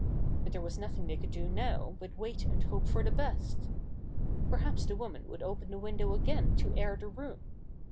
But there was nothing they could do now but wait and hope for the best. Perhaps the woman would open the window again to air the room.